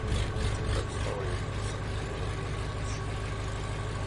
Тепер стало йому все минуле перед очі.